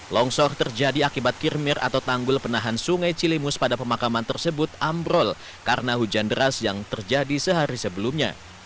longsor terjadi akibat kirmir atau tanggul penahan sungai cilimus pada pemakaman tersebut ambrol karena hujan deras yang terjadi sehari sebelumnya